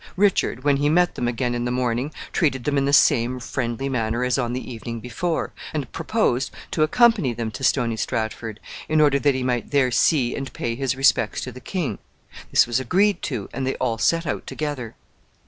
Richard, when he met them again in the morning, treated them in the same friendly manner as on the evening before, and proposed to accompany them to Stony Stratford, in order that he might there see and pay his respects to the king. This was agreed to, and they all set out together.